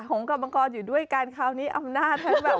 หงกับวังกรอยู่ด้วยกันคราวนี้อำนาจแบบว่า